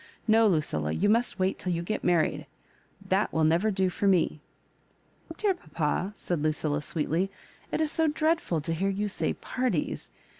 No, LuciUa, you must wait till you get married — that will never do for me." "Dear papa," said Lucilla, sweetly, *'it is so dreadful to .hear you say ' parties.